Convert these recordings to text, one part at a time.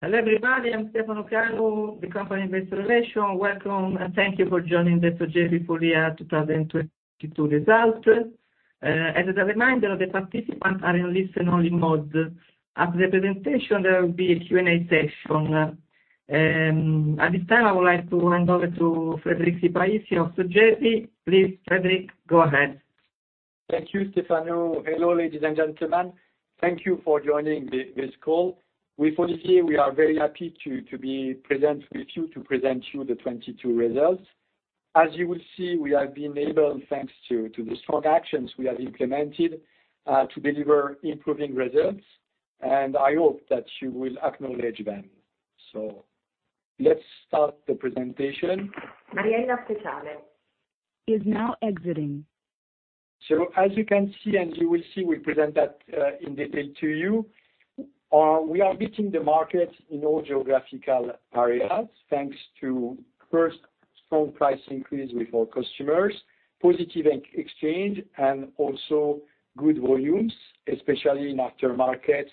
Hello, everybody. I'm Stefano Canu, the company Investor Relations. Welcome, thank you for joining the Sogefi full year 2022 results. As a reminder, the participants are in listen-only mode. After the presentation, there will be a Q&A session. At this time, I would like to hand over to Frédéric Sipahi of Sogefi. Please, Frédéric, go ahead. Thank you, Stefano. Hello, ladies and gentlemen. Thank you for joining this call. For this year, we are very happy to be present with you to present you the 22 results. As you will see, we have been able, thanks to the strong actions we have implemented, to deliver improving results. I hope that you will acknowledge them. Let's start the presentation. Mariella Fruttale. Is now exiting. As you can see, and you will see, we present that in detail to you. We are beating the market in all geographical areas, thanks to first strong price increase with our customers, positive ex-exchange, and also good volumes, especially in aftermarket,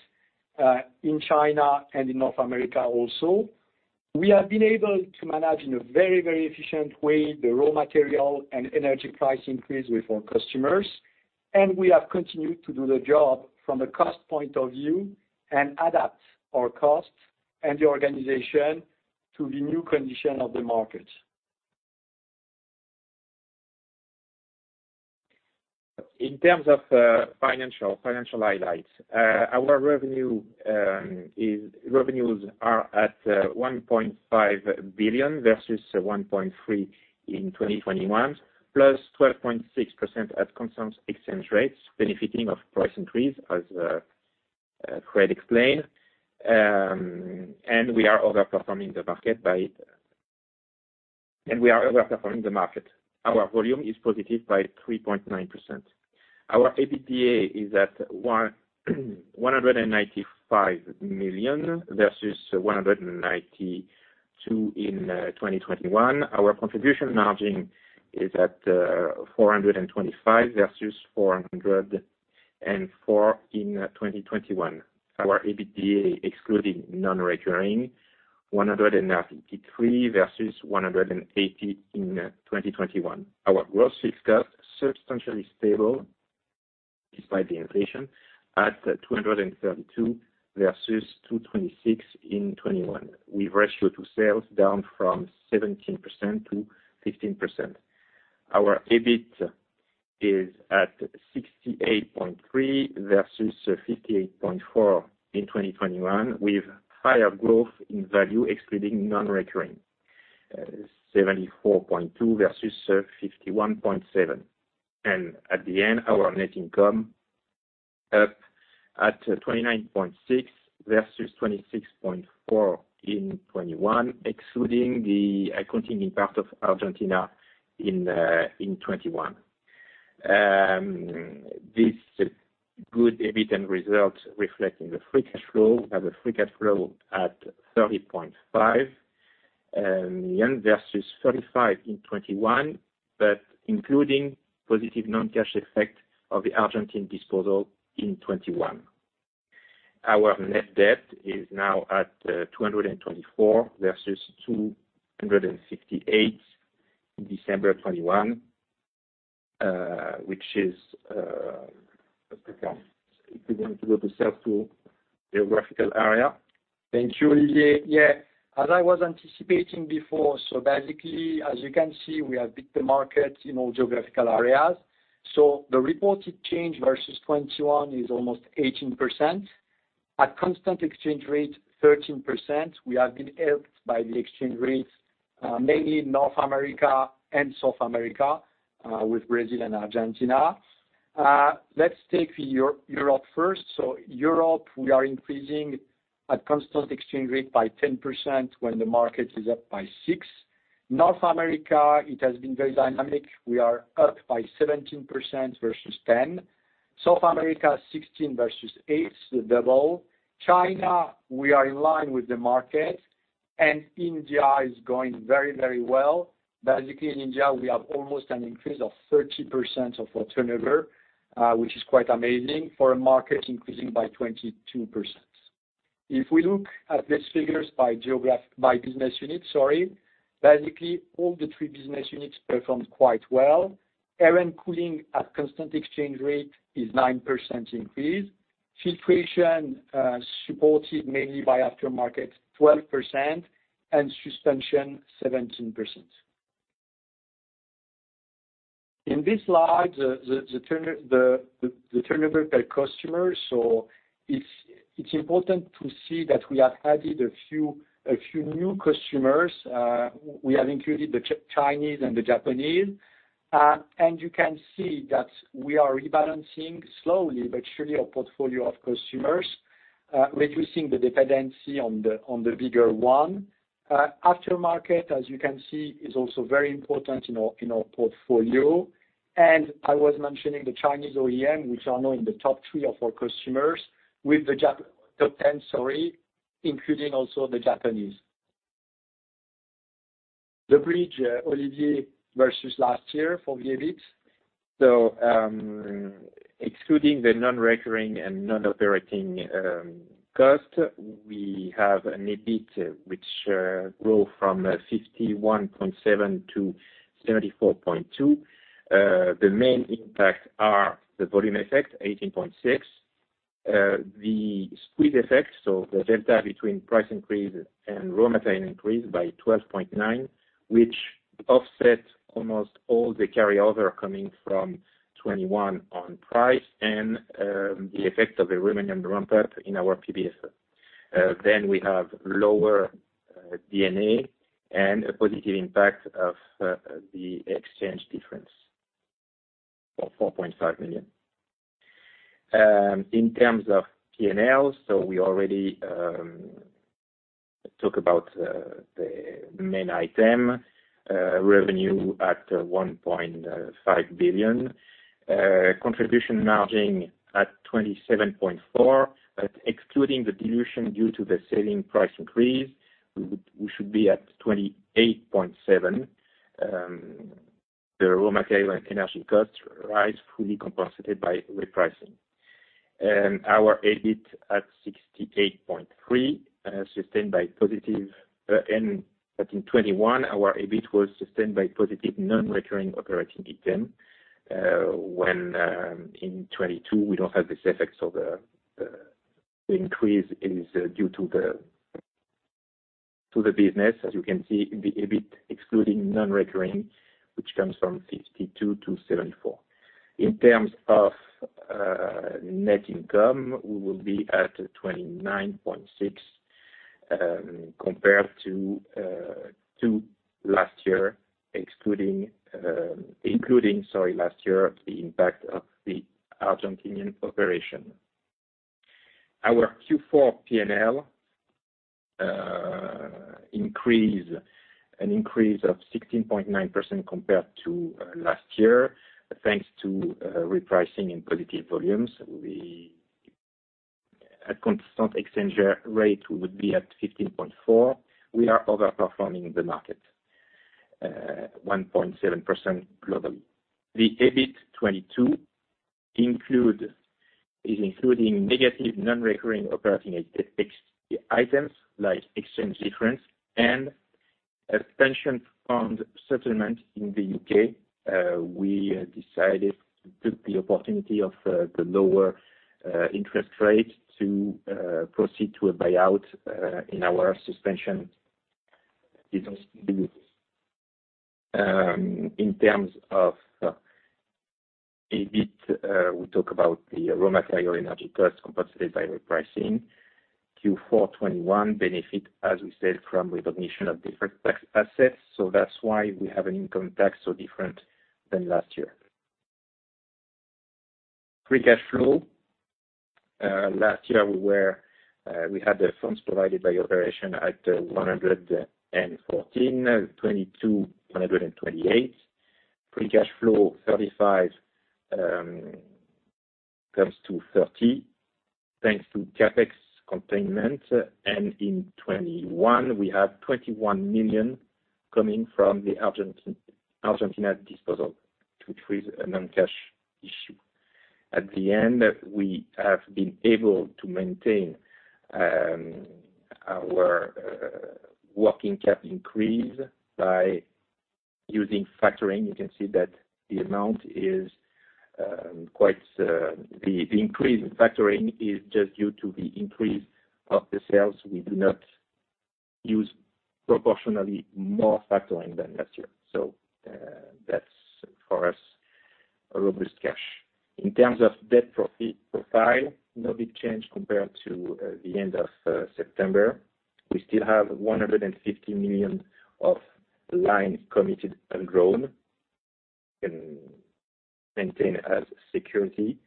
in China and in North America also. We have been able to manage in a very, very efficient way the raw material and energy price increase with our customers. We have continued to do the job from a cost point of view and adapt our costs and the organization to the new condition of the market. In terms of financial highlights, our revenues are at 1.5 billion versus 1.3 billion in 2021, +12.6% at constant exchange rates, benefiting of price increase as Fred explained. We are overperforming the market. Our volume is positive by 3.9%. Our EBITDA is at 195 million versus 192 in 2021. Our contribution margin is at 425 versus 404 in 2021. Our EBITDA, excluding non-recurring, 153 versus 180 in 2021. Our gross fixed cost, substantially stable despite the inflation, at 232 versus 226 in 2021, with ratio to sales down from 17% to 15%. Our EBIT is at 68.3 versus 58.4 in 2021, with higher growth in value excluding non-recurring, 74.2 versus 51.7. At the end, our net income up at 29.6 versus 26.4 in 2021, excluding the accounting impact of Argentina in 2021. This good EBIT and results reflecting the free cash flow. We have a free cash flow at EUR 30.5 versus EUR 35 in 2021, but including positive non-cash effect of the Argentine disposal in 2021. Our net debt is now at 224 versus 258 in December of 2021, which is. If we want to go to sales to geographical area. Thank you, Olivier. Yeah. As I was anticipating before, basically, as you can see, we have beat the market in all geographical areas. The reported change versus 2021 is almost 18%. At constant exchange rate, 13%. We have been helped by the exchange rates, mainly in North America and South America, with Brazil and Argentina. Let's take Europe first. Europe, we are increasing at constant exchange rate by 10% when the market is up by 6. North America, it has been very dynamic. We are up by 17% versus 10. South America, 16 versus 8, the double. China, we are in line with the market, and India is going very, very well. In India, we have almost an increase of 30% of our turnover, which is quite amazing for a market increasing by 22%. If we look at these figures by business unit, sorry, all the three business units performed quite well. Air & Cooling at constant exchange rate is 9% increase. Filtration, supported mainly by aftermarket, 12%, and Suspensions, 17%. In this slide, the turnover by customers. It's important to see that we have added a few new customers. We have included the Chinese and the Japanese. You can see that we are rebalancing slowly but surely our portfolio of customers, reducing the dependency on the bigger one. Aftermarket, as you can see, is also very important in our portfolio. I was mentioning the Chinese OEM, which are now in the top 3 of our customers with the top 10, sorry, including also the Japanese. The bridge, Olivier, versus last year for the EBIT. Excluding the non-recurring and non-operating cost, we have an EBIT which grow from 51.7 to 74.2. The main impact are the volume effect, 8.6. The squeeze effect, the delta between price increase and raw material increase by 2.9, which offset almost all the carryover coming from 2021 on price and the effect of the Romanian ramp-up in our PBS. We have lower D&A and a positive impact of the exchange difference of 4.5 million. In terms of P&L, we already talk about the main item, revenue at 1.5 billion, contribution margin at 27.4 million. Excluding the dilution due to the selling price increase, we should be at 28.7. The raw material and energy costs rise fully compensated by repricing. Our EBIT at EUR 68.3. In 2021, our EBIT was sustained by positive non-recurring operating item. When in 2022, we don't have this effect, the increase is due to the business. As you can see, EBIT excluding non-recurring, which comes from 52-74. In terms of net income, we will be at 29.6 compared to last year including, sorry, last year, the impact of the Argentinian operation. Our Q4 P&L an increase of 16.9% compared to last year, thanks to repricing in positive volumes. We... At constant exchange rate, we would be at 15.4. We are overperforming the market, 1.7% globally. The EBIT 2022 is including negative non-recurring operating items like exchange difference and a pension fund settlement in the U.K. We decided to take the opportunity of the lower interest rate to proceed to a buyout in our Suspensions business units. In terms of EBIT, we talk about the raw material energy cost compensated by repricing. Q4 2021 benefit, as we said, from recognition of deferred tax assets. That's why we have an income tax so different than last year. Free cash flow, last year, we had the funds provided by operation at 114, 2022, 128. Free cash flow, 35, comes to 30, thanks to CapEx containment. In 2021, we had 21 million coming from the Argentina disposal, which was a non-cash issue. At the end, we have been able to maintain our working cap increase by using factoring. You can see that the amount is quite, the increase in factoring is just due to the increase of the sales. We do not use proportionally more factoring than last year. That's for us, a robust cash. In terms of debt profile, no big change compared to the end of September. We still have 150 million of line committed and drawn and maintain as security.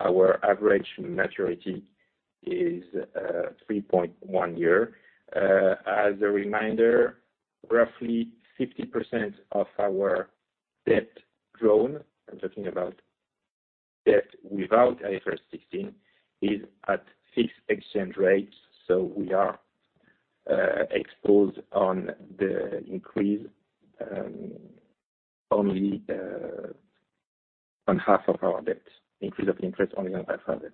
Our average maturity is 3.1 year. As a reminder, roughly 50% of our debt drawn, I'm talking about debt without IFRS 16, is at fixed exchange rates. We are exposed on the increase only on half of our debt, increase of interest only on half our debt.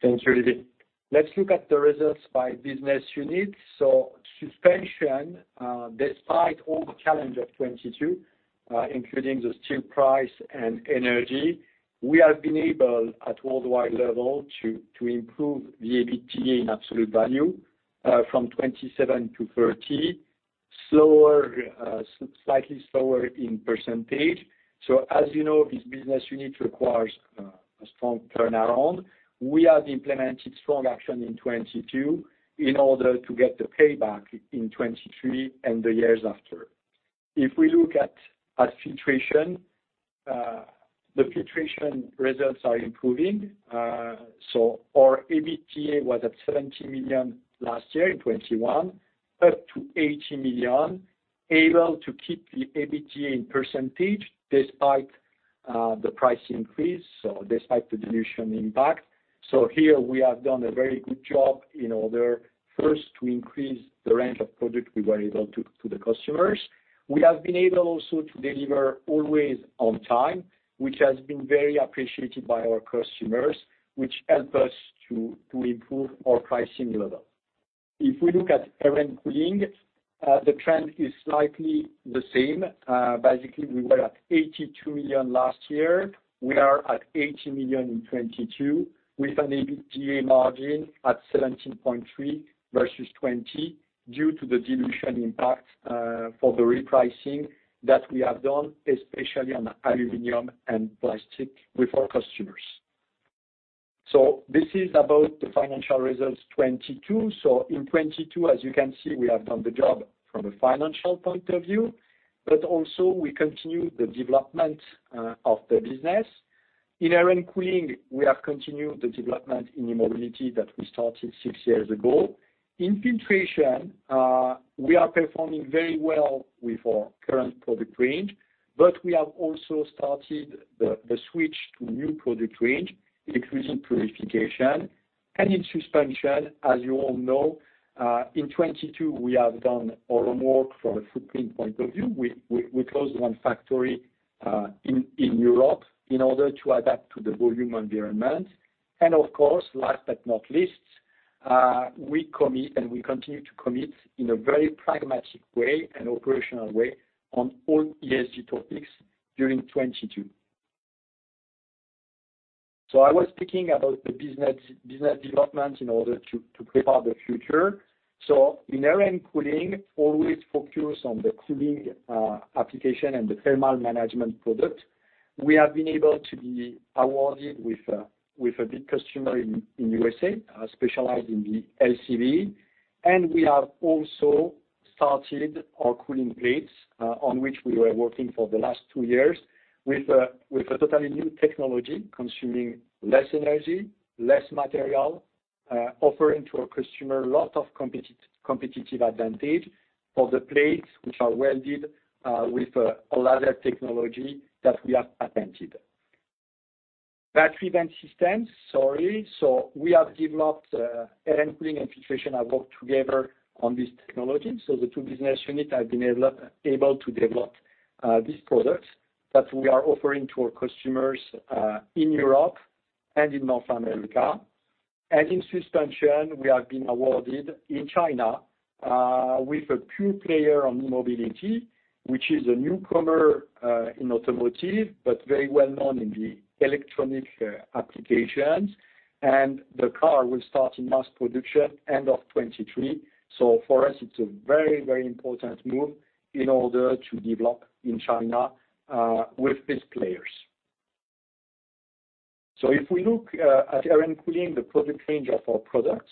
Thanks, Olivier. Let's look at the results by business unit. Suspensions, despite all the challenge of 2022, including the steel price and energy, we have been able, at worldwide level, to improve the EBITDA in absolute value, from 27 million to 30 million, slower, slightly slower in percentage. As you know, this business unit requires a strong turnaround. We have implemented strong action in 2022 in order to get the payback in 2023 and the years after. If we look at Filtration, the Filtration results are improving. Our EBITDA was at 17 million last year in 2021, up to 18 million, able to keep the EBITDA in percentage despite the price increase, so despite the dilution impact. Here we have done a very good job in order first to increase the range of product we were able to the customers. We have been able also to deliver always on time, which has been very appreciated by our customers, which help us to improve our pricing level. If we look at Air & Cooling, the trend is slightly the same. Basically, we were at 82 million last year. We are at 80 million in 2022, with an EBITDA margin at 17.3% versus 20% due to the dilution impact for the repricing that we have done, especially on the aluminum and plastic with our customers. This is about the financial results 2022. In 2022, as you can see, we have done the job from a financial point of view, but also we continue the development of the business. In Air & Cooling, we have continued the development in e-mobility that we started 6 years ago. In Filtration, we are performing very well with our current product range, but we have also started the switch to new product range, increasing purification. In Suspensions, as you all know, in 2022, we have done all our work from a footprint point of view. We closed 1 factory in Europe in order to adapt to the volume environment. Of course, last but not least, we commit and we continue to commit in a very pragmatic way and operational way on all ESG topics during 2022. I was speaking about the business development in order to prepare the future. In Air & Cooling, always focus on the cooling application and the thermal management product. We have been able to be awarded with a big customer in U.S.A., specialized in the LCV. We have also started our cooling plates, on which we were working for the last two years with a totally new technology, consuming less energy, less material, offering to our customer a lot of competitive advantage for the plates, which are welded with a laser technology that we have patented. Battery vent systems. Sorry. We have developed Air & Cooling and Filtration have worked together on this technology. The two business units have been able to develop this product that we are offering to our customers in Europe and in North America. In Suspensions, we have been awarded in China with a pure player on e-mobility, which is a newcomer in automotive, but very well-known in the electronic applications. The car will start in mass production end of 2023. For us, it's a very, very important move in order to develop in China with these players. If we look at Air & Cooling, the product range of our products,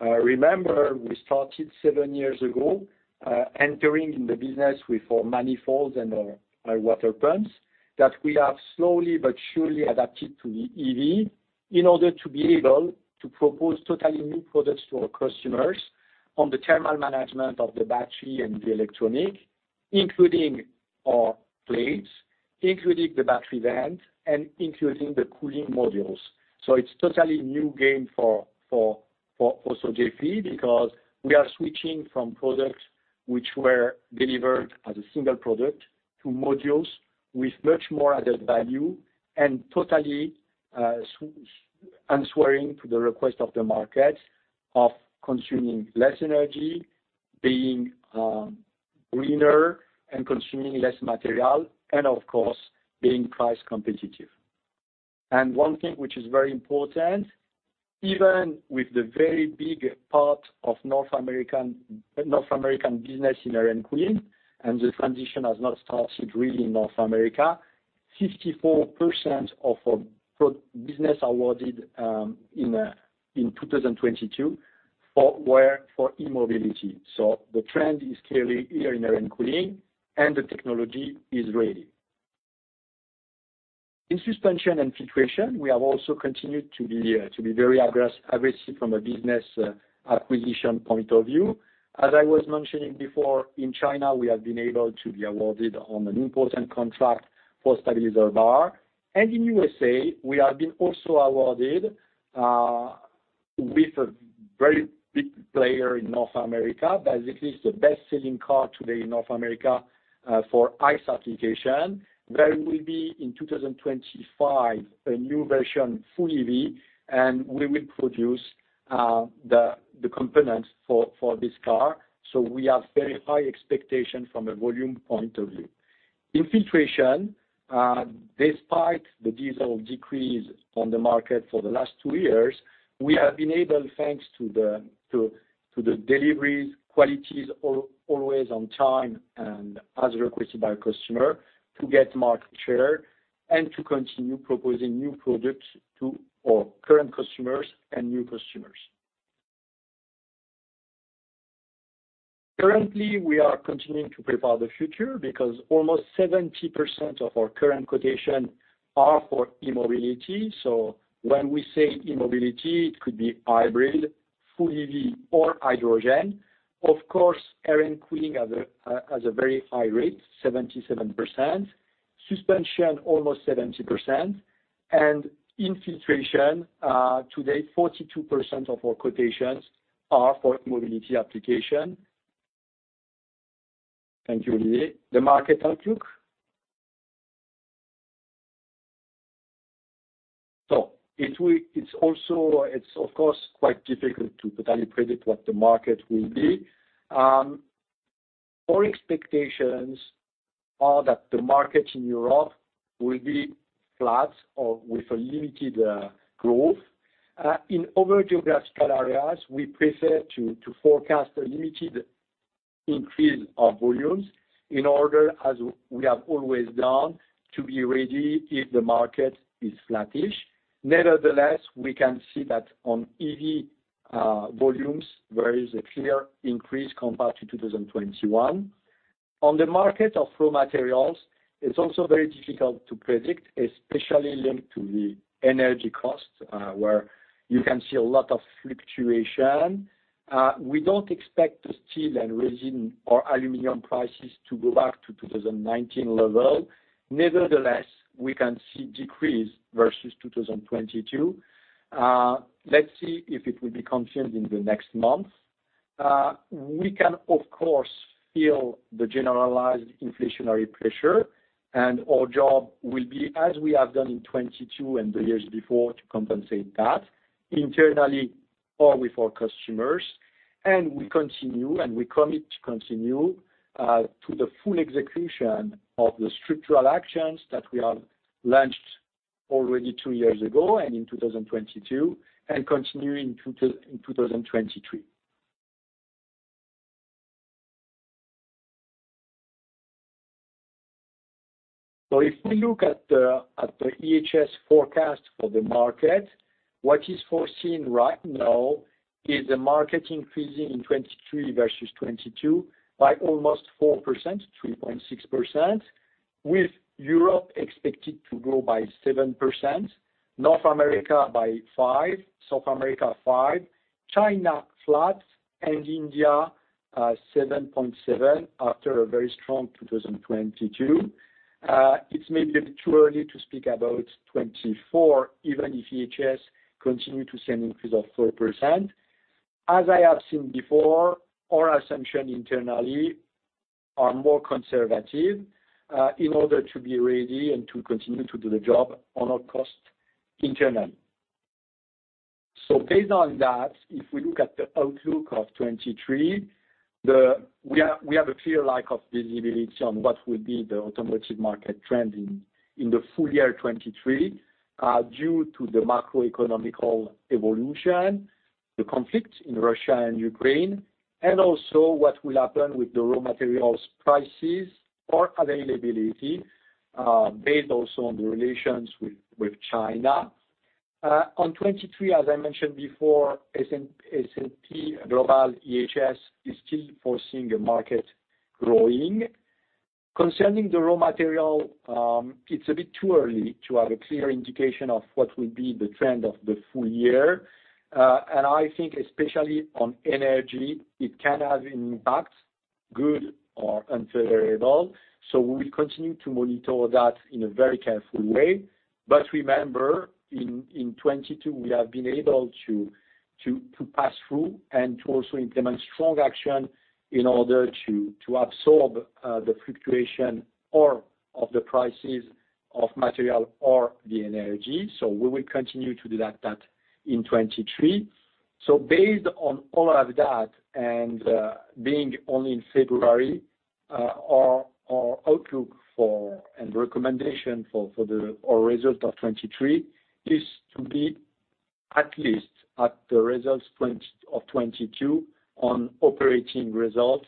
remember we started seven years ago, entering in the business with our manifolds and our water pumps that we have slowly but surely adapted to the EV in order to be able to propose totally new products to our customers on the thermal management of the battery and the electronic, including our plates, including the battery vent, and including the cooling modules. It's totally new game for Sogefi because we are switching from products which were delivered as a single product to modules with much more added value and totally answering to the request of the market of consuming less energy, being greener and consuming less material, and of course, being price competitive. One thing which is very important, even with the very big part of North American business in Air & Cooling, and the transition has not started really in North America, 54% of our business awarded in 2022 were for e-mobility. The trend is clearly here in Air & Cooling, and the technology is ready. In Suspensions and Filtration, we have also continued to be very aggressive from a business acquisition point of view. As I was mentioning before, in China, we have been able to be awarded on an important contract for stabilizer bar. In U.S.A., we have been also awarded with a very big player in North America. Basically, it's the best-selling car today in North America for ICE application. There will be, in 2025, a new version, full EV, and we will produce the components for this car. We have very high expectation from a volume point of view. In Filtration, despite the diesel decrease on the market for the last two years, we have been able, thanks to the deliveries, qualities always on time and as requested by customer, to get market share and to continue proposing new products to our current customers and new customers. Currently, we are continuing to prepare the future because almost 70% of our current quotations are for e-mobility. When we say e-mobility, it could be hybrid, full EV, or hydrogen. Of course, Air & Cooling has a very high rate, 77%. Suspensions, almost 70%. Filtration, today 42% of our quotations are for mobility application. Thank you, Lily. The market outlook. It's of course quite difficult to totally predict what the market will be. Our expectations are that the market in Europe will be flat or with a limited growth. In other geographical areas, we prefer to forecast a limited increase of volumes in order as we have always done to be ready if the market is flattish. Nevertheless, we can see that on EV volumes, there is a clear increase compared to 2021. On the market of raw materials, it's also very difficult to predict, especially linked to the energy costs, where you can see a lot of fluctuation. We don't expect the steel and resin or aluminum prices to go back to 2019 level. Nevertheless, we can see decrease versus 2022. Let's see if it will be confirmed in the next months. We can of course feel the generalized inflationary pressure, and our job will be, as we have done in 2022 and the years before, to compensate that internally or with our customers. We continue, we commit to continue to the full execution of the structural actions that we have launched already two years ago and in 2022, and continue in 2023. If we look at the IHS forecast for the market, what is foreseen right now is the market increasing in 2023 versus 2022 by almost 4%, 3.6%, with Europe expected to grow by 7%, North America by 5%, South America 5%, China flat, and India 7.7% after a very strong 2022. It's maybe a bit too early to speak about 24, even if IHS continue to see an increase of 4%. As I have said before, our assumption internally are more conservative, in order to be ready and to continue to do the job on our cost internally. Based on that, if we look at the outlook of 23, We have a clear lack of visibility on what will be the automotive market trend in the full year 2023, due to the macroeconomical evolution, the conflict in Russia and Ukraine, and also what will happen with the raw materials prices or availability, based also on the relations with China. On 23, as I mentioned before, S&P Global IHS is still foreseeing a market growing. Concerning the raw material, it's a bit too early to have a clear indication of what will be the trend of the full year. I think especially on energy, it can have impact, good or unfavorable, so we continue to monitor that in a very careful way. Remember, in 2022, we have been able to pass through and to also implement strong action in order to absorb the fluctuation of the prices of material or the energy. We will continue to do that in 2023. Based on all of that, being only in February, our outlook for our result of 2023 is to be at least at the results of 2022 on operating results,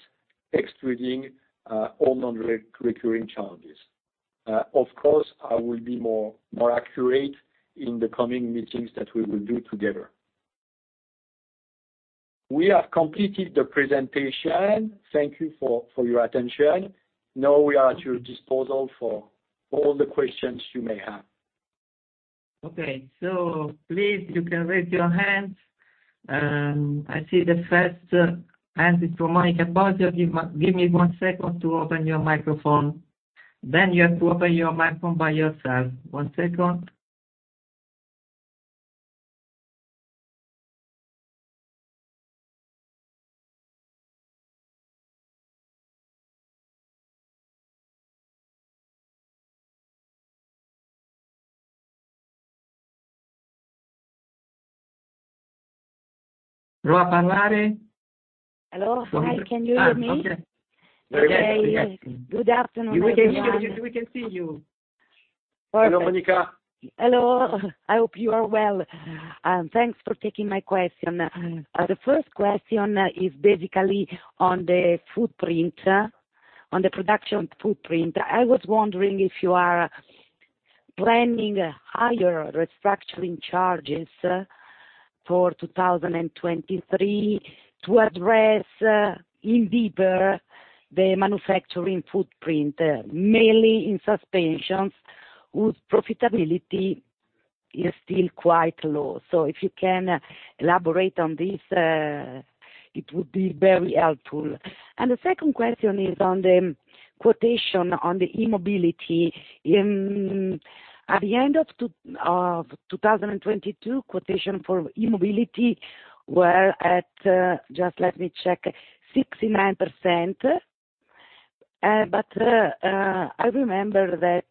excluding all non-recurring charges. Of course, I will be more accurate in the coming meetings that we will do together. We have completed the presentation. Thank you for your attention. Now we are at your disposal for all the questions you may have. Please, you can raise your hands. I see the first hand is from Monica. Give me one second to open your microphone. You have to open your microphone by yourself. One second. Hello. Hi, can you hear me? Okay. Okay. We hear you. We hear you. Good afternoon, everybody. We can see you. We can see you. Hello, Monica. Hello. I hope you are well. Thanks for taking my question. The first question is basically on the footprint, on the production footprint. I was wondering if you are planning higher restructuring charges for 2023, to address in deeper the manufacturing footprint, mainly in Suspensions, whose profitability is still quite low. If you can elaborate on this, it would be very helpful. The second question is on the quotation on the e-mobility. At the end of 2022, quotation for e-mobility were at, just let me check, 69%. But I remember that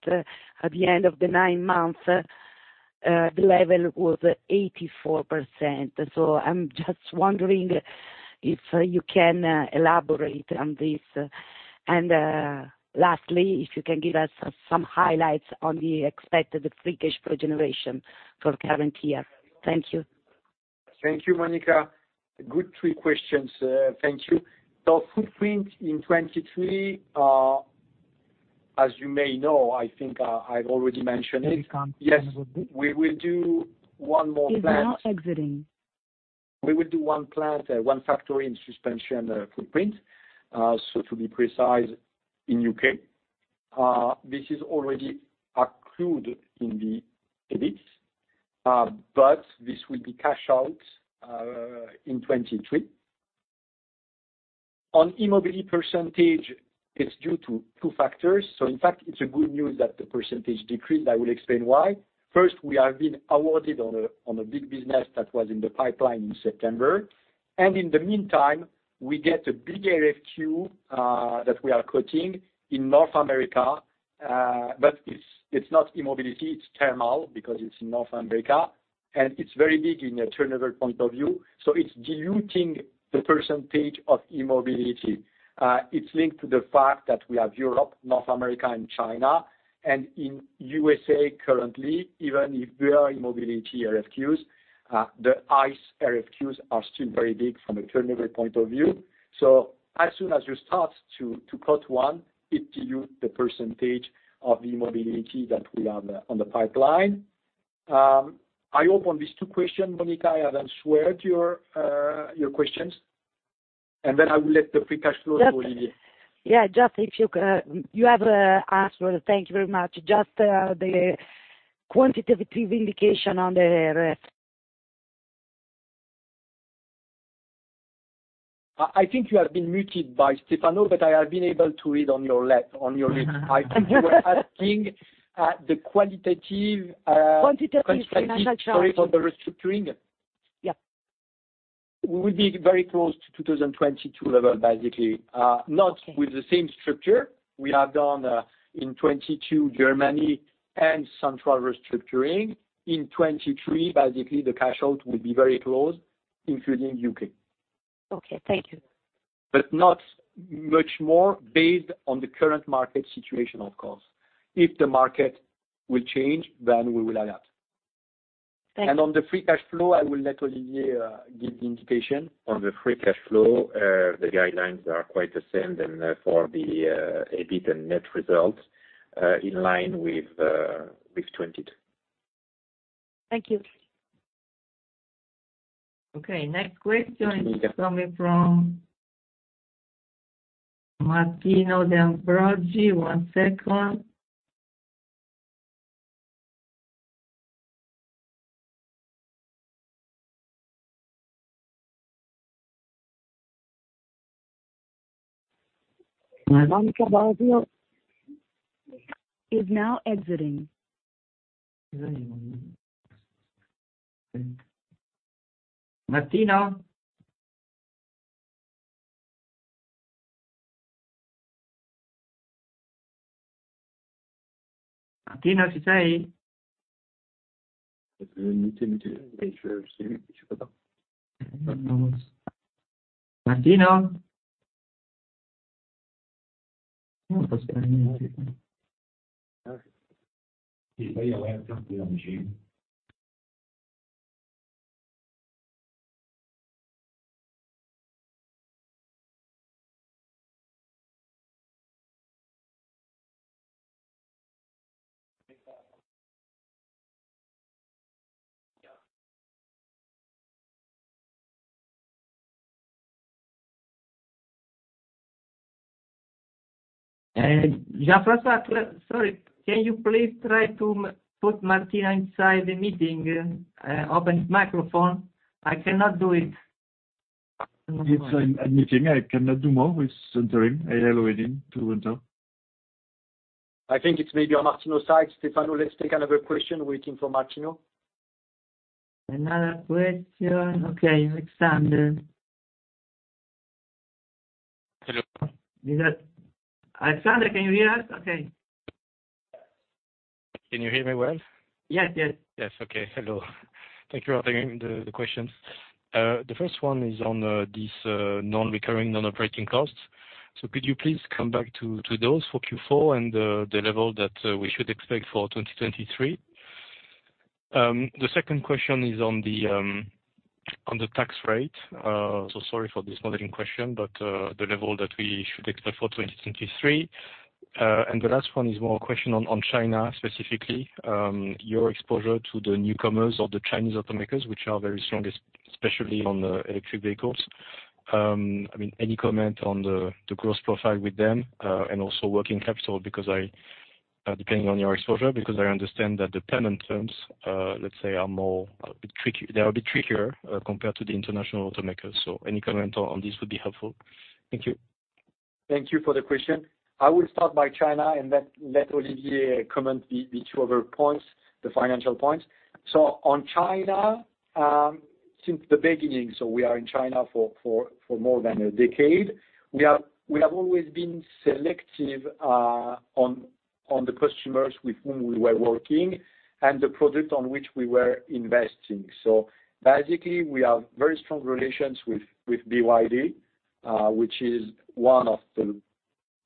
at the end of the 9 months, the level was 84%. I'm just wondering if you can elaborate on this. Lastly, if you can give us some highlights on the expected free cash flow generation for current year. Thank you. Thank you, Monica. Good three questions. Thank you. Footprint in 2023, as you may know, I think, I've already mentioned it. Yes, we will do 1 more plant. Is now exiting. We will do one plant, one factory in Suspensions footprint, so to be precise, in U.K. This is already accrued in the EBIT, but this will be cash out in 2023. On e-mobility percentage, it's due to 2 factors. In fact, it's a good news that the percentage decreased. I will explain why. First, we have been awarded on a big business that was in the pipeline in September. In the meantime, we get a big RFQ that we are quoting in North America. But it's not e-mobility, it's thermal because it's North America, and it's very big in a turnover point of view. It's diluting the percentage of e-mobility. It's linked to the fact that we have Europe, North America and China. In USA currently, even if we are e-mobility RFQs, the ICE RFQs are still very big from a turnover point of view. As soon as you start to quote one, it dilute the percentage of e-mobility that we have on the pipeline. I open these two questions, Monica. I have answered your questions. I will let the free cash flow to Olivier. You have answered. Thank you very much. Just the quantitative indication on the rest. I think you have been muted by Stefano, but I have been able to read on your lips. I think you were asking the qualitative. Quantitative financial charge. Qualitative charge of the restructuring. Yeah. We will be very close to 2022 level, basically. Okay. Not with the same structure. We have done in 2022, Germany and central restructuring. In 2023, basically, the cash out will be very close, including UK. Okay, thank you. Not much more based on the current market situation, of course. If the market will change, then we will adapt. Thanks. On the free cash flow, I will let Olivier give the indication. On the free cash flow, the guidelines are quite the same than for the EBIT and net results, in line with 2022. Thank you. Okay, next question is coming from Martino De Ambroggi. One second. Monica Baggio is now exiting. Martino. Martino, si sai? Mute him. Mute him. Make sure he's muted. Martino. He's probably away from his machine. Jean-François, sorry, can you please try to put Martino inside the meeting and open his microphone? I cannot do it. It's in a meeting. I cannot do more with entering. I allowed him to enter. I think it's maybe on Martino's side. Stefano, let's take another question waiting for Martino. Another question. Okay, Alexander. Hello. Alexander, can you hear us? Okay. Can you hear me well? Yes, yes. Yes. Okay. Hello. Thank you for taking the questions. The first one is on this non-recurring, non-operating costs. Could you please come back to those for Q4 and the level that we should expect for 2023? The second question is on the tax rate. Sorry for this modeling question, the level that we should expect for 2023. The last one is more a question on China specifically. Your exposure to the newcomers or the Chinese automakers, which are very strongest, especially on the electric vehicles. I mean, any comment on the growth profile with them, and also working capital? Because I, depending on your exposure, because I understand that the payment terms, let's say they're a bit trickier, compared to the international automakers. Any comment on this would be helpful. Thank you. Thank you for the question. I will start by China and then let Olivier comment the two other points, the financial points. On China, since the beginning, we are in China for more than 10 years. We have always been selective on the customers with whom we were working and the product on which we were investing. Basically, we have very strong relations with BYD, which is one of the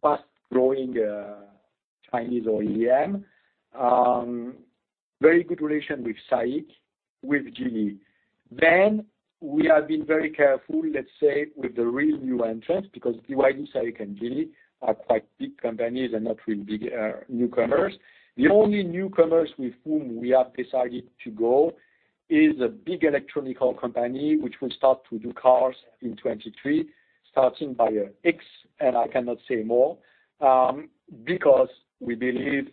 fast-growing Chinese OEM. Very good relation with SAIC, with Geely. We have been very careful, let's say, with the real new entrants, because BYD, SAIC and Geely are quite big companies and not really big newcomers. The only newcomers with whom we have decided to go is a big electronic company which will start to do cars in 2023, starting by a X, and I cannot say more, because we believe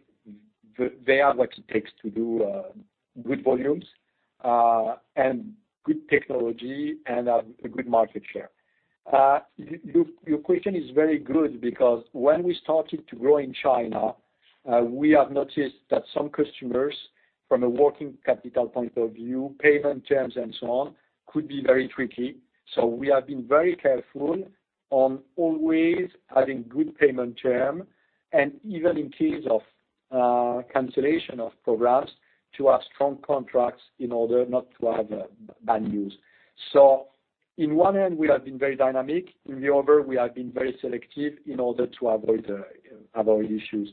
they have what it takes to do good volumes, and good technology and a good market share. Your question is very good because when we started to grow in China, we have noticed that some customers, from a working capital point of view, payment terms and so on, could be very tricky. We have been very careful on always having good payment term, and even in case of cancellation of programs, to have strong contracts in order not to have bad news. In one end, we have been very dynamic. In the other, we have been very selective in order to avoid issues.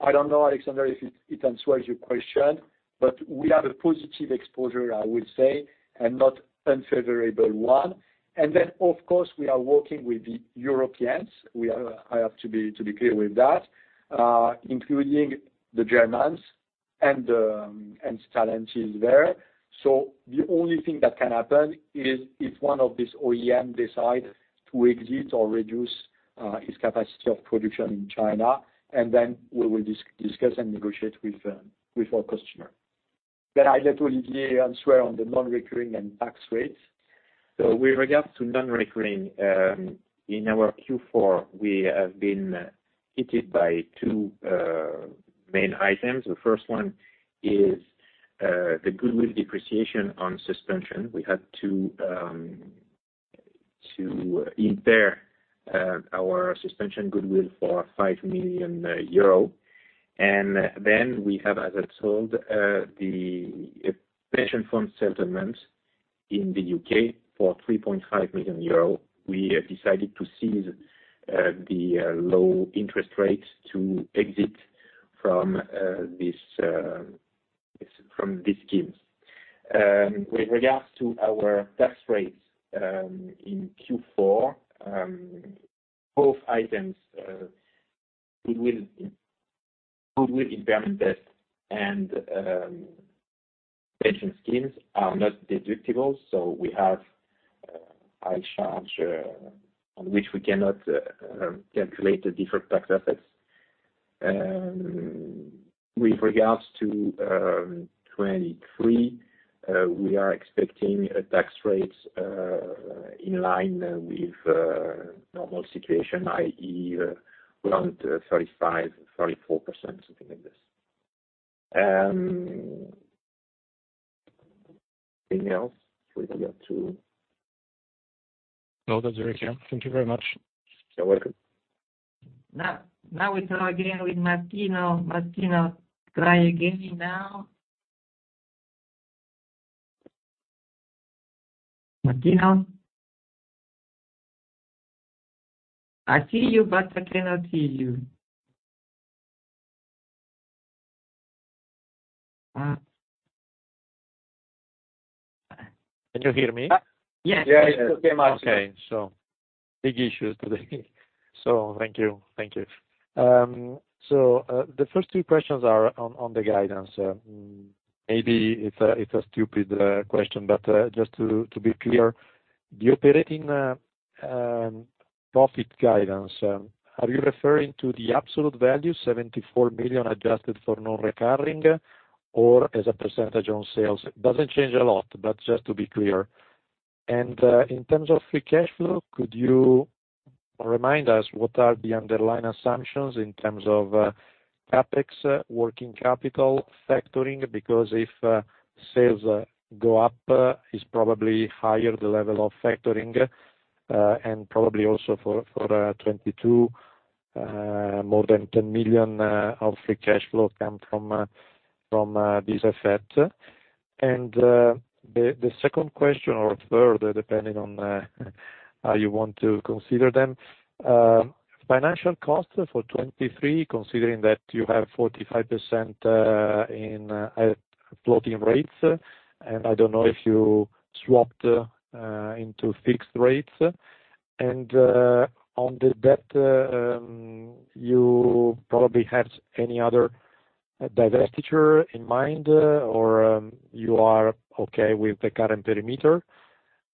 I don't know, Alexander, if it answers your question, but we have a positive exposure, I would say, and not unfavorable one. Of course, we are working with the Europeans. I have to be clear with that, including the Germans and Stellantis there. The only thing that can happen is if one of these OEM decide to exit or reduce its capacity of production in China, and then we will discuss and negotiate with our customer. I let Olivier answer on the non-recurring and tax rates. With regards to non-recurring, in our Q4, we have been hit by two main items. The first one is the goodwill depreciation on Suspensions. We had to impair our Suspensions goodwill for 5 million euro. We have, as I told, the pension fund settlement in the U.K. for 3.5 million euro. We have decided to seize the low interest rates to exit from these schemes. With regards to our tax rates, in Q4, both items, goodwill impairment test and pension schemes are not deductible, we have high charge on which we cannot calculate the different tax assets. With regards to 2023, we are expecting a tax rates in line with normal situation, i.e., around 35%-34%, something like this. No, that's very clear. Thank you very much. You're welcome. We turn again with Martino. Martino, try again now. Martino? I see you, but I cannot hear you. Can you hear me? Yes. Yeah, yeah. Okay, Martino. Okay. Big issues today. Thank you. Thank you. The first two questions are on the guidance. Maybe it's a stupid question, but just to be clear, the operating profit guidance, are you referring to the absolute value, 74 million adjusted for non-recurring, or as a percentage on sales? It doesn't change a lot, but just to be clear. In terms of free cash flow, could you remind us what are the underlying assumptions in terms of CapEx, working capital factoring? Because if sales go up, it's probably higher the level of factoring, and probably also for 2022, more than 10 million of free cash flow come from this effect. The second question or third, depending on how you want to consider them, financial costs for 2023, considering that you have 45% in floating rates. I don't know if you swapped into fixed rates. On the debt, you probably have any other divestiture in mind, or you are okay with the current perimeter?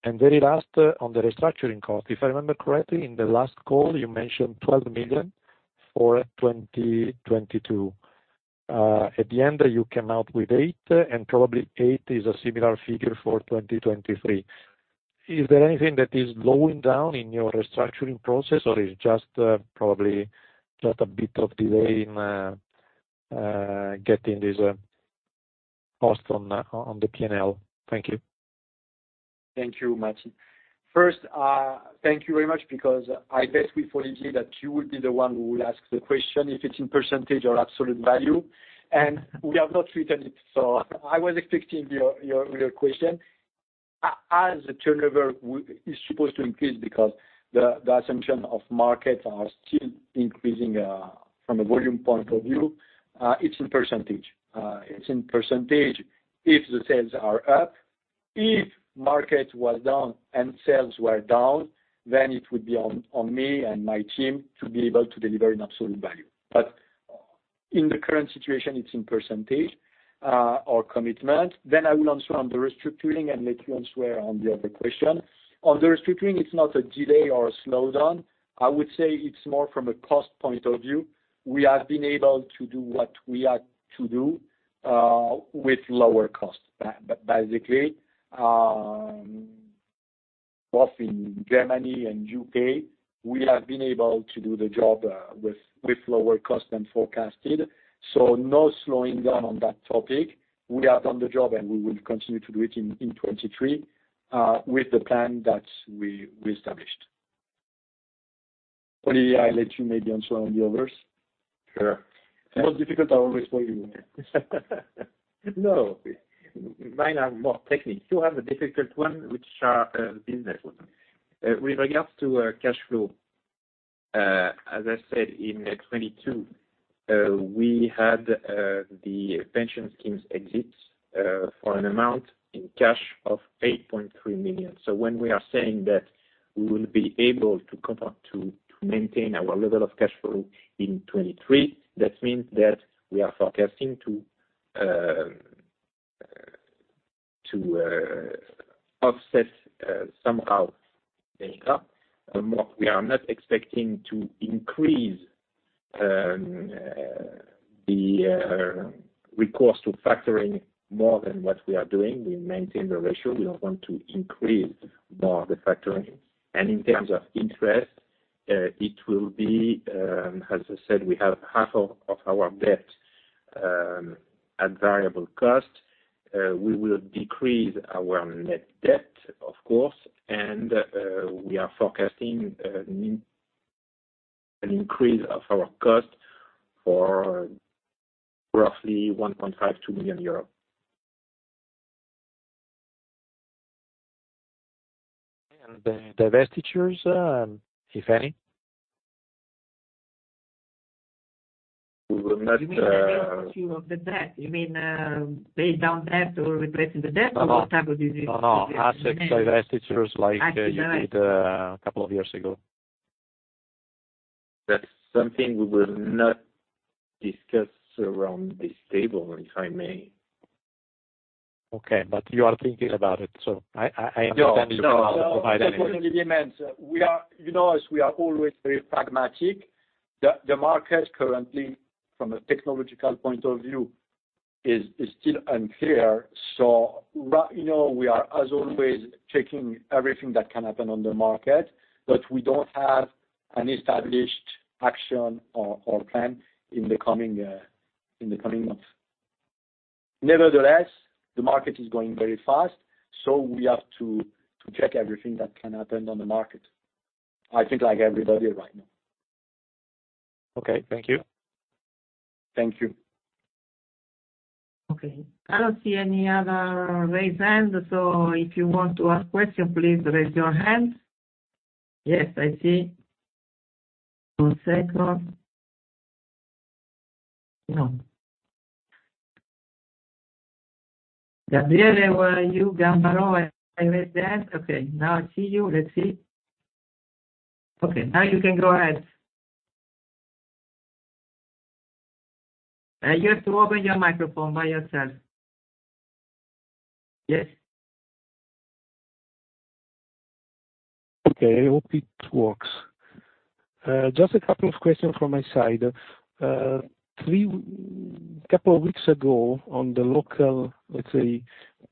Very last, on the restructuring cost, if I remember correctly, in the last call, you mentioned 12 million for 2022. At the end, you came out with 8 million, and probably 8 million is a similar figure for 2023. Is there anything that is going down in your restructuring process, or it's just probably just a bit of delay in getting this cost on the P&L? Thank you. Thank you, Martin. First, thank you very much because I bet with Olivier that you would be the one who will ask the question if it's in % or absolute value. We have not treated it. I was expecting your question. As the turnover is supposed to increase because the assumption of markets are still increasing from a volume point of view, it's in %. It's in % if the sales are up. If market was down and sales were down, then it would be on me and my team to be able to deliver an absolute value. In the current situation, it's in %, our commitment. I will answer on the restructuring and let you answer on the other question. On the restructuring, it's not a delay or a slowdown. I would say it's more from a cost point of view. We have been able to do what we had to do with lower costs. Basically, both in Germany and UK, we have been able to do the job with lower cost than forecasted. No slowing down on that topic. We have done the job, and we will continue to do it in 2023 with the plan that we established. Olivier, I let you maybe answer on the others. Sure. The most difficult are always for you. No. Mine are more technique. You have a difficult one, which are business one. With regards to cash flow, as I said, in 2022, we had the pension schemes exit for an amount in cash of 8.3 million. When we are saying that we will be able to maintain our level of cash flow in 2023, that means that we are forecasting to offset somehow paying up. We are not expecting to increase the recourse to factoring more than what we are doing. We maintain the ratio. We don't want to increase more the factoring. In terms of interest, it will be as I said, we have half of our debt at variable cost. We will decrease our net debt, of course. We are forecasting an increase of our cost for roughly EUR 1.52 million. The divestitures, if any? We will not. You mean the ratio of the debt? You mean, pay down debt or replacing the debt? Or what type of? No. Assets, divestitures like you did a couple of years ago. That's something we will not discuss around this table, if I may. You are thinking about it, so I understand you can't provide anything. No, no. As Olivier mentioned, you know us, we are always very pragmatic. The market currently, from a technological point of view, is still unclear. You know, we are, as always, checking everything that can happen on the market, but we don't have an established action or plan in the coming months. Nevertheless, the market is going very fast, so we have to check everything that can happen on the market. I think like everybody right now. Okay, thank you. Thank you. Okay. I don't see any other raised hands, so if you want to ask question, please raise your hand. Yes, I see. Two seconds. No. Gabriele, were you Gambaro? I read that. Okay, now I see you. Let's see. Okay, now you can go ahead. You have to open your microphone by yourself. Yes. Okay, I hope it works. Just a couple of questions from my side. Couple of weeks ago, on the local, let's say,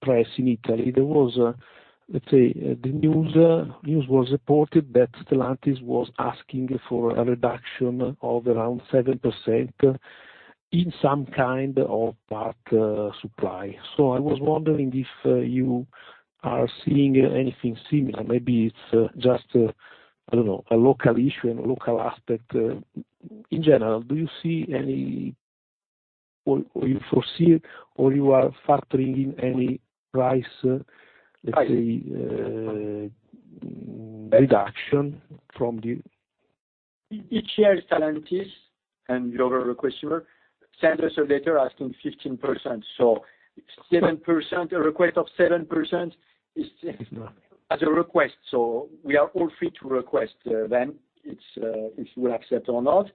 press in Italy, there was, let's say, the news was reported that Stellantis was asking for a reduction of around 7% in some kind of part supply. I was wondering if you are seeing anything similar. Maybe it's just, I don't know, a local issue and a local aspect. In general, do you see any, or you foresee or you are factoring in any price, let's say, reduction from the Each year Stellantis and your request sender send us a letter asking 15%. Seven percent, a request of 7% is as a request. We are all free to request then it's, if you accept or not.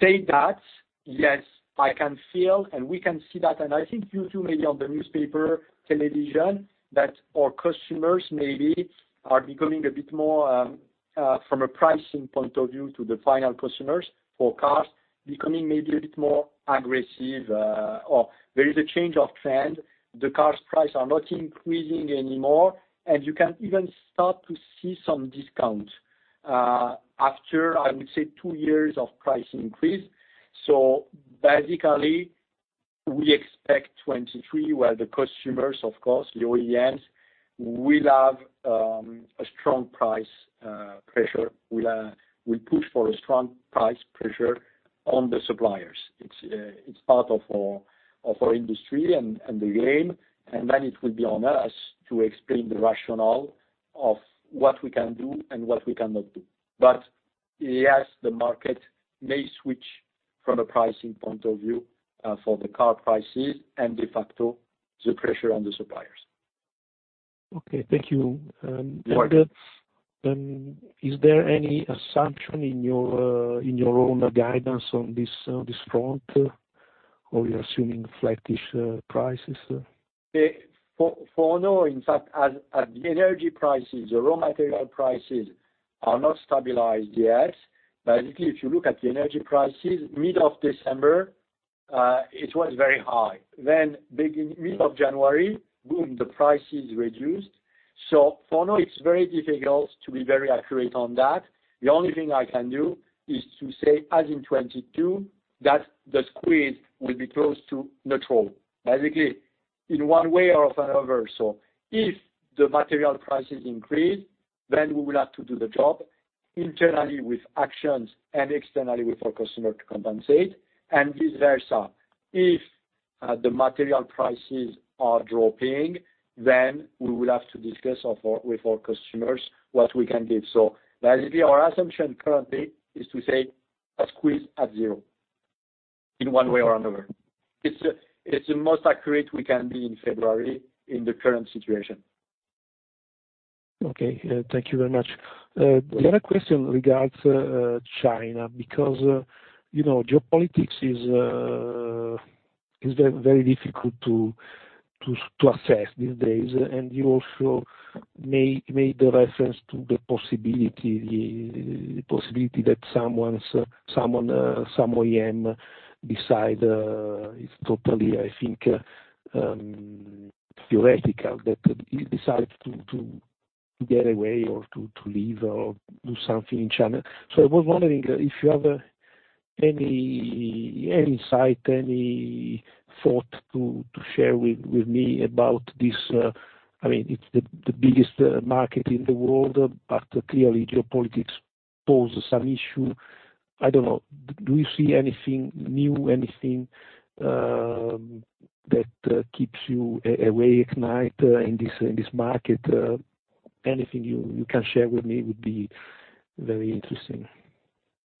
Say that, yes, I can feel and we can see that. I think you too maybe on the newspaper, television, that our customers maybe are becoming a bit more, from a pricing point of view to the final customers for cars becoming maybe a bit more aggressive, or there is a change of trend. The cars price are not increasing anymore, and you can even start to see some discount, after, I would say, 2 years of price increase. Basically, we expect 2023, where the customers, of course, the OEMs, will have, a strong price, pressure. Will push for a strong price pressure on the suppliers. It's part of our industry and the game. It will be on us to explain the rationale of what we can do and what we cannot do. Yes, the market may switch from a pricing point of view for the car prices and de facto the pressure on the suppliers. Okay, thank you. You are welcome. Is there any assumption in your own guidance on this front, or you're assuming flattish prices? For now, in fact, as the energy prices, the raw material prices are not stabilized yet. Basically, if you look at the energy prices, mid of December, it was very high. Then mid of January, boom, the price is reduced. For now, it's very difficult to be very accurate on that. The only thing I can do is to say, as in 2022, that the squeeze will be close to neutral, basically in one way or another. If the material prices increase, then we will have to do the job internally with actions and externally with our customer to compensate. Vice versa. If the material prices are dropping, then we will have to discuss with our customers what we can give. Basically, our assumption currently is to say a squeeze at 0 in one way or another. It's the most accurate we can be in February in the current situation. Okay, thank thank you very much. The other question regards China, because, you know, geopolitics is very difficult to assess these days. You also made the reference to the possibility that someone, some OEM decide is totally, I think, theoretical, that he decides to get away or to leave or do something in China. I was wondering if you have any insight, any thought to share with me about this. I mean, it's the biggest market in the world, but clearly geopolitics pose some issue. I don't know. Do you see anything new, anything that keeps you awake at night in this market? Anything you can share with me would be very interesting.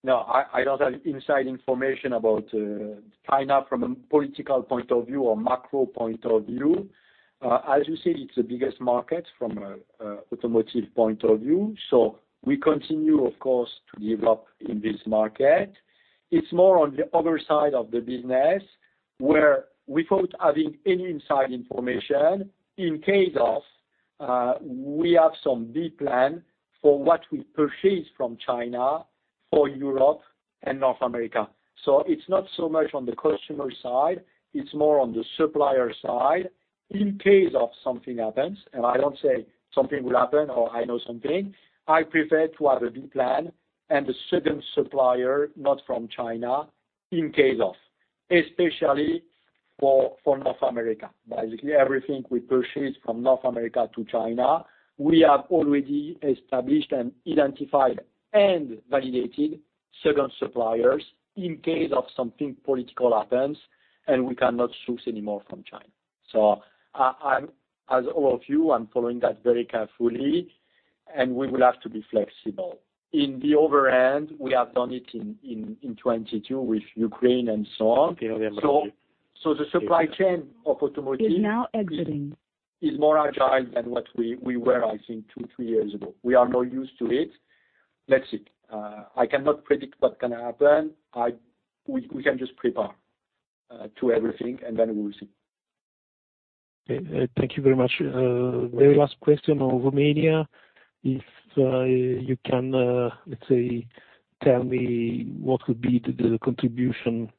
No, I don't have inside information about China from a political point of view or macro point of view. As you said, it's the biggest market from a automotive point of view. We continue, of course, to develop in this market. It's more on the other side of the business, where without having any inside information, in case of, we have some B plan for what we purchase from China for Europe and North America. It's not so much on the customer side, it's more on the supplier side in case of something happens. I don't say something will happen or I know something. I prefer to have a B plan and a second supplier, not from China, in case of. Especially for North America. Basically, everything we purchase from North America to China, we have already established and identified and validated second suppliers in case of something political happens and we cannot source any more from China. I'm, as all of you, I'm following that very carefully, and we will have to be flexible. In the other hand, we have done it in 2022 with Ukraine and so on. Okay. Thank you. the supply chain of automotive- Is now exiting. Is more agile than what we were, I think, two, three years ago. We are more used to it. That's it. I cannot predict what's gonna happen. We can just prepare to everything, and then we will see. Okay. Thank you very much. Very last question on Romania. If you can tell me what could be the contribution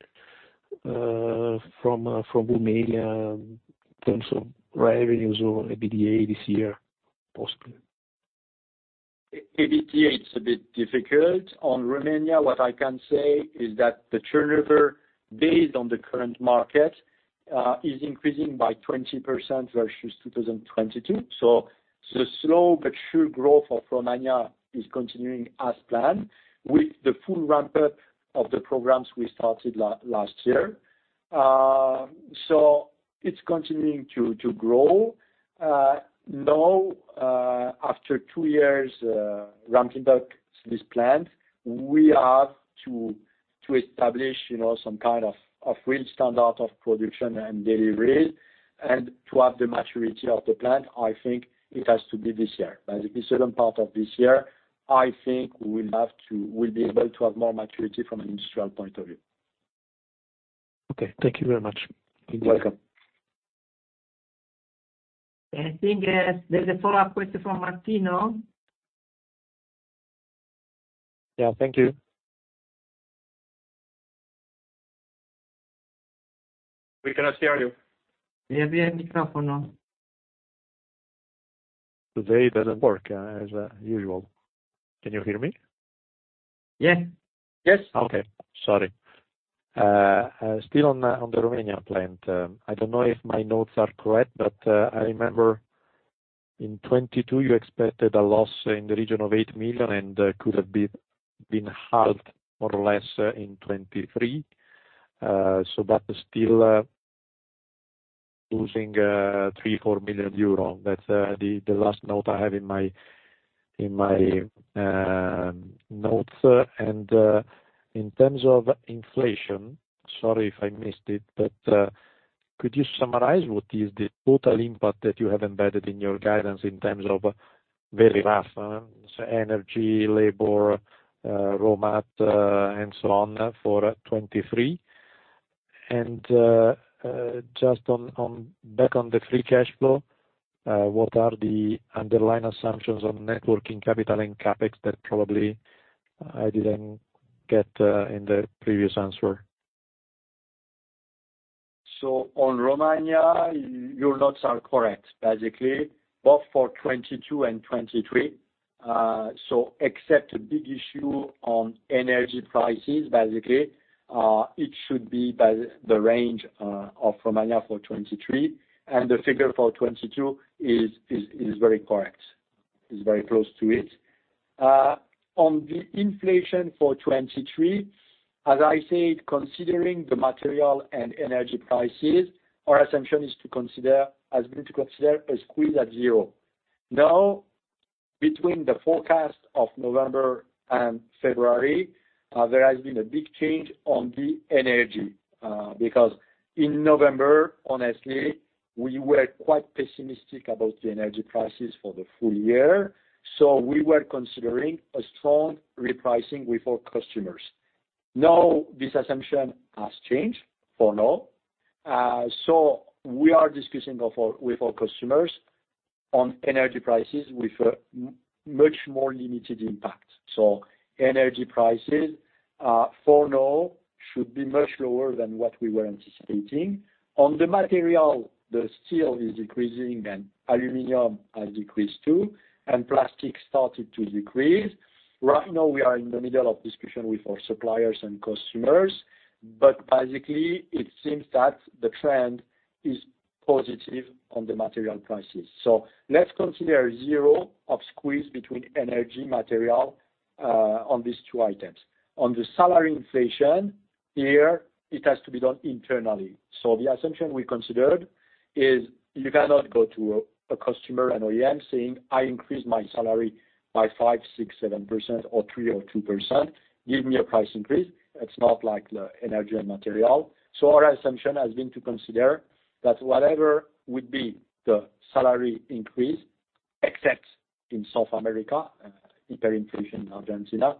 from Romania in terms of revenues or EBITDA this year, possibly? EBITDA is a bit difficult. On Romania, what I can say is that the turnover based on the current market is increasing by 20% versus 2022. The slow but sure growth of Romania is continuing as planned with the full ramp-up of the programs we started last year. It's continuing to grow. Now, after two years ramping up this plant, we have to establish, you know, some kind of real standard of production and delivery. To have the maturity of the plant, I think it has to be this year. By the second part of this year, I think we'll be able to have more maturity from an industrial point of view. Okay, thank you very much. You're welcome. I think there's a follow-up question from Martino. Yeah, thank you. We cannot hear you. Maybe a microphone on. Today it doesn't work as usual. Can you hear me? Yeah. Yes. Okay. Sorry. Still on the Romania plant. I don't know if my notes are correct, but I remember in 2022 you expected a loss in the region of 8 million, and could have been halved more or less in 2023. That is still losing 3 million-4 million euro. That's the last note I have in my, in my notes. In terms of inflation, sorry if I missed it, could you summarize what is the total impact that you have embedded in your guidance in terms of very rough energy, labor, raw mat, and so on, for 2023? Just back on the free cash flow, what are the underlying assumptions on net working capital and CapEx that probably I didn't get in the previous answer? On Romania, your notes are correct, basically, both for 2022 and 2023. Except a big issue on energy prices, basically, it should be by the range of Romania for 2023. The figure for 2022 is very correct. It's very close to it. On the inflation for 2023, as I said, considering the material and energy prices, our assumption is to consider, has been to consider a squeeze at zero. Between the forecast of November and February, there has been a big change on the energy. Because in November, honestly, we were quite pessimistic about the energy prices for the full year, we were considering a strong repricing with our customers. This assumption has changed for now, we are discussing with our customers on energy prices with a much more limited impact. Energy prices, for now should be much lower than what we were anticipating. On the material, the steel is decreasing and aluminum has decreased too, and plastic started to decrease. Right now we are in the middle of discussion with our suppliers and customers, basically it seems that the trend is positive on the material prices. Let's consider 0 of squeeze between energy material on these two items. On the salary inflation, here it has to be done internally. The assumption we considered is you cannot go to a customer, an OEM, saying, "I increased my salary by 5%, 6%, 7% or 3% or 2%. Give me a price increase." It's not like the energy and material. Our assumption has been to consider that whatever would be the salary increase, except in South America, hyperinflation in Argentina,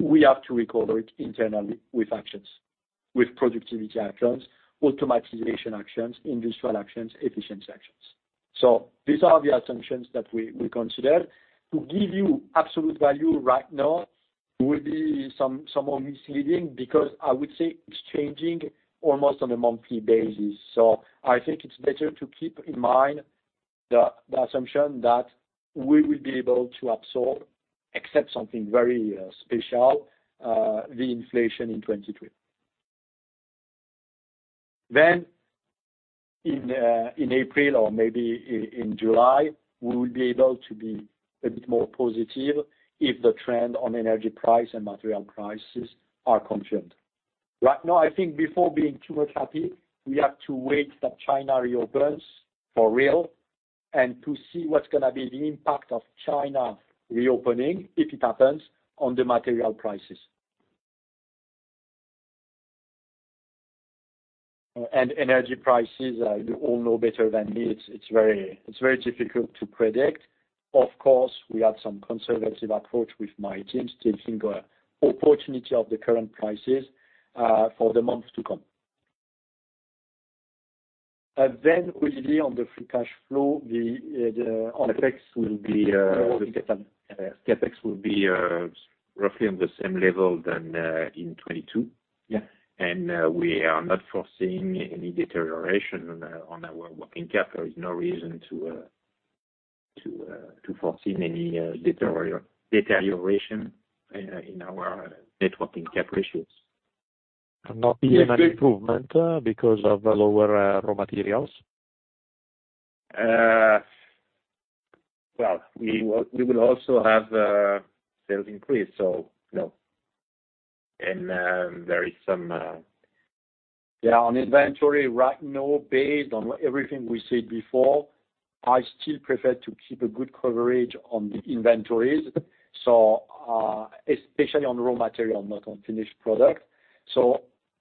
we have to recover it internally with actions, with productivity actions, automatization actions, industrial actions, efficiency actions. These are the assumptions that we consider. To give you absolute value right now will be somewhat misleading because I would say it's changing almost on a monthly basis. I think it's better to keep in mind the assumption that we will be able to absorb, except something very special, the inflation in 2023. In April or maybe in July, we will be able to be a bit more positive if the trend on energy price and material prices are confirmed. Right now, I think before being too much happy, we have to wait that China reopens for real and to see what's gonna be the impact of China reopening, if it happens, on the material prices. Energy prices, you all know better than me, it's very difficult to predict. Of course, we have some conservative approach with my team taking the opportunity of the current prices for the months to come. Really on the free cash flow, the... CapEx will be roughly on the same level than in 2022. Yeah. We are not foreseeing any deterioration on our working capital. There's no reason to foresee any deterioration in our net working cap ratios. Not even an improvement because of the lower raw materials. We will also have sales increase, so no. There is some. Yeah, on inventory right now, based on everything we said before, I still prefer to keep a good coverage on the inventories. Especially on raw material, not on finished product.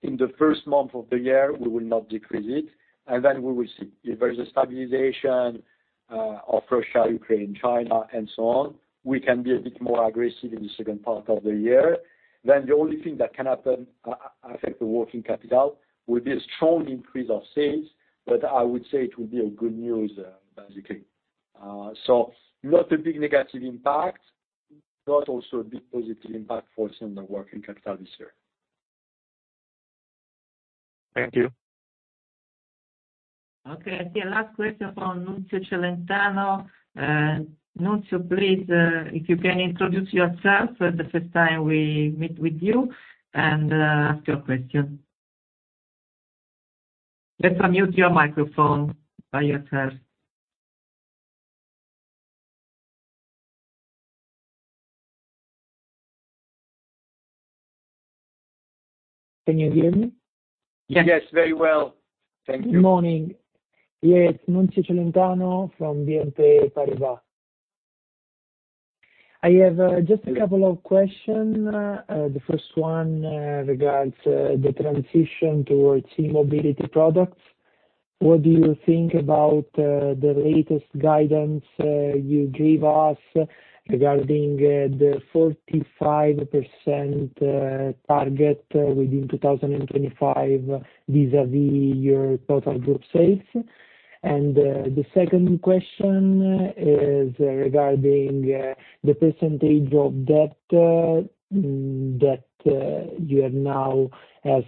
In the first month of the year, we will not decrease it, and then we will see. If there's a stabilization of Russia, Ukraine, China, and so on, we can be a bit more aggressive in the second part of the year. The only thing that can happen, affect the working capital will be a strong increase of sales. I would say it will be a good news, basically. Not a big negative impact, not also a big positive impact for us on the working capital this year. Thank you. Okay. I see a last question from Nunzio Celentano. Nunzio, please, if you can introduce yourself, the first time we meet with you and ask your question. Let's unmute your microphone by yourself. Can you hear me? Yes. Yes, very well. Thank you. Good morning. Yes. Nunzio Celentano from BNP Paribas. I have just a couple of question. The first one regards the transition towards e-mobility products. What do you think about the latest guidance you gave us regarding the 45% target within 2025 vis-à-vis your total group sales? The second question is regarding the percentage of debt that you have now as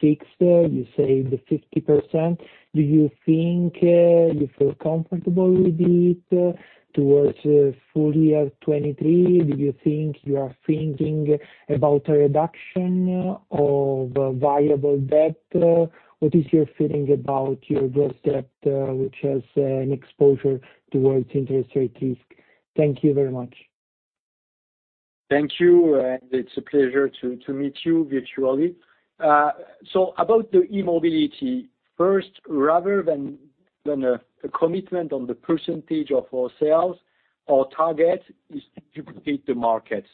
fixed. You say the 50%. Do you think you feel comfortable with it towards full year 2023? Do you think you are thinking about a reduction of variable debt? What is your feeling about your gross debt which has an exposure towards interest rate risk? Thank you very much. Thank you, it's a pleasure to meet you virtually. About the e-mobility. First, rather than a commitment on the percentage of our sales, our target is to duplicate the market.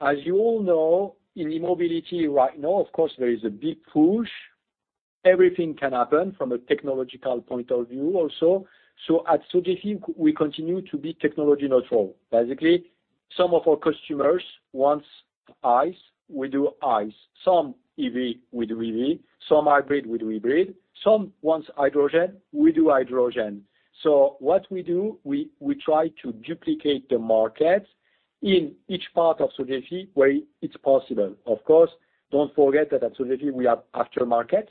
As you all know, in e-mobility right now, of course, there is a big push. Everything can happen from a technological point of view also. At Sogefi, we continue to be technology neutral. Basically, some of our customers wants ICE, we do ICE. Some EV, we do EV. Some hybrid, we do hybrid. Some wants hydrogen, we do hydrogen. What we do, we try to duplicate the market in each part of Sogefi where it's possible. Of course, don't forget that at Sogefi we have actual market,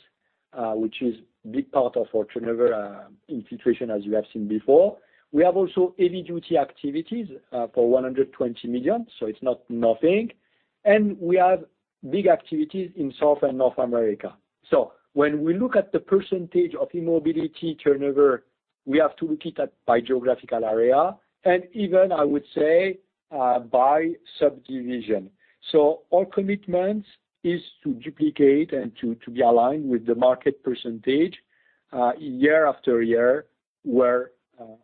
which is big part of our turnover, in Filtration, as you have seen before. We have also heavy duty activities, for 120 million, so it's not nothing. We have big activities in South and North America. When we look at the percentage of e-mobility turnover, we have to look it at by geographical area, and even, I would say, by subdivision. Our commitment is to duplicate and to be aligned with the market percentage, year after year, where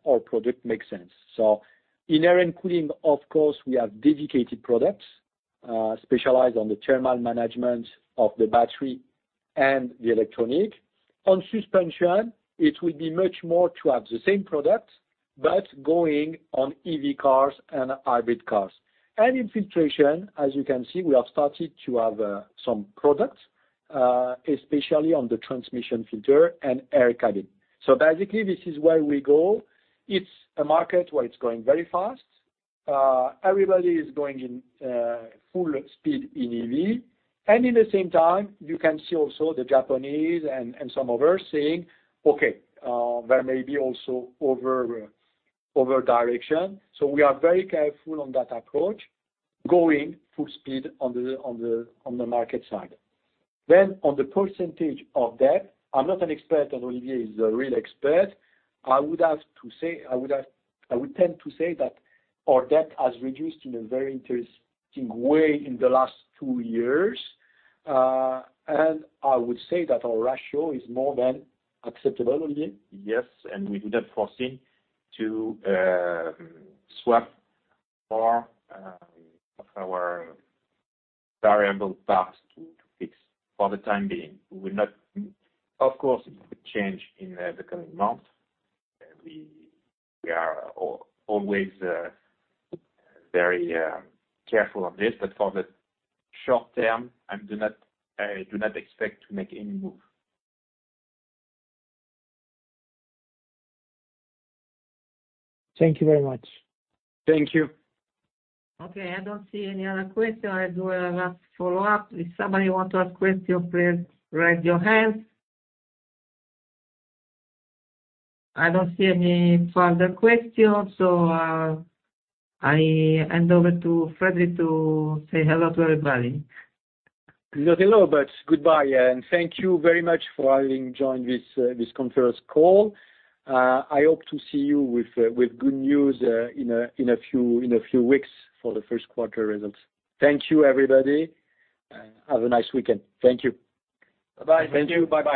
our product makes sense. In Air & Cooling, of course, we have dedicated products, specialized on the thermal management of the battery and the electronic. On Suspensions, it will be much more to have the same product, but going on EV cars and hybrid cars. In Filtration, as you can see, we have started to have some products, especially on the transmission filter and air cabin. Basically, this is where we go. It's a market where it's growing very fast. Everybody is going in full speed in EV. In the same time, you can see also the Japanese and some others saying, "Okay, there may be also over over direction." We are very careful on that approach, going full speed on the market side. On the percentage of debt, I'm not an expert, and Olivier is a real expert. I would tend to say that our debt has reduced in a very interesting way in the last two years. I would say that our ratio is more than acceptable. Olivier? Yes, we do not foresee to swap more of our variable parts to fix for the time being. We would not... Of course, it could change in the coming months. We are always very careful of this. For the short term, I do not expect to make any move. Thank you very much. Thank you. Okay. I don't see any other question. I'll do a last follow-up. If somebody want to ask question, please raise your hand. I don't see any further questions. I hand over to Frederic to say hello to everybody. Not hello, but goodbye, and thank you very much for having joined this conference call. I hope to see you with good news in a few weeks for the first quarter results. Thank you, everybody, and have a nice weekend. Thank you.